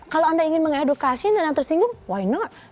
kalau anda ingin mengedukasi dan yang tersinggung why not